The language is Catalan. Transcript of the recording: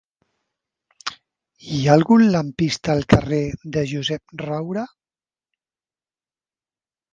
Hi ha algun lampista al carrer de Josep Roura?